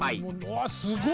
わあすごい！